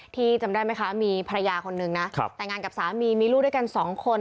จำได้ไหมคะมีภรรยาคนนึงนะแต่งงานกับสามีมีลูกด้วยกันสองคน